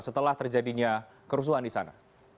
setelah terjadinya kerusuhan di sana